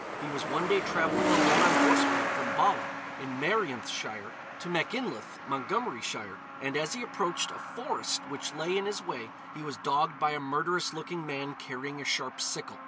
He was one day travelling alone on horseback from Bala, in Merionethshire, to Machynlleth, Montgomeryshire, and as he approached a forest which lay in his way he was dogged by a murderous looking man carrying a sharp sickle.